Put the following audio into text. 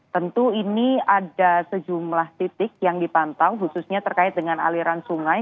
tentu ini ada sejumlah titik yang dipantau khususnya terkait dengan aliran sungai